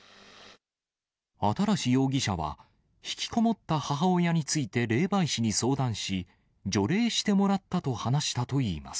新容疑者は、引きこもった母親について霊媒師に相談し、除霊してもらったと話したといいます。